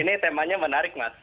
ini temanya menarik mas